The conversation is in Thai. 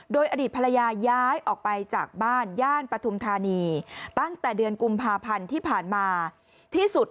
โดยอดีตภรรยาย้ายออกไปจากบ้านย่านปฐุมธานีตั้งแต่เดือนกุมภาพันธ์ที่ผ่านมาที่สุด